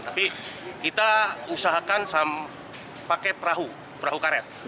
tapi kita usahakan pakai perahu perahu karet